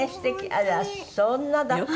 あらそんなだったの？